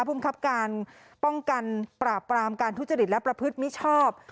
ภูมิครับการป้องกันปราบปรามการทุจริตและประพฤติมิชชอบ